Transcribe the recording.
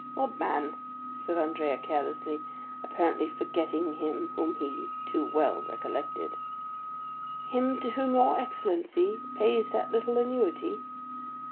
"What man?" said Andrea carelessly, apparently forgetting him whom he but too well recollected. "Him to whom your excellency pays that little annuity."